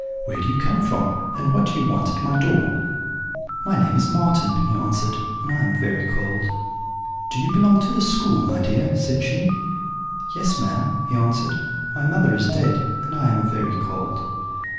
'Where do you come from, and what do you want at my door?' "'My name is Marten,' he answered, 'and I am very cold.' "'Do you belong to the school, my dear?' said she. "'Yes, ma'am,' he answered; 'my mother is dead, and I am very cold.'